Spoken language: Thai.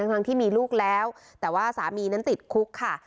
ทั้งที่มีลูกแล้วแต่ว่าสามีนั้นติดคุกค่ะ